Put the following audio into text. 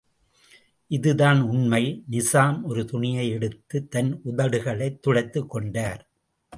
இதுதான் உண்மை! நிசாம் ஒரு துணியை யெடுத்துத் தன் உதடுகளைத் துடைத்துக் கொண்டார்.